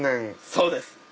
そうです。